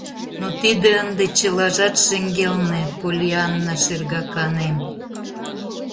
Но тиде ынде чылажат шеҥгелне, Поллианна, шергаканем.